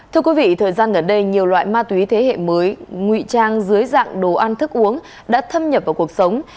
thưa quý vị thời gian gần đây nhiều loại ma túy thế hệ mới nguy trang dưới dạng đồ ăn thức uống đã thâm nhập vào cuộc sống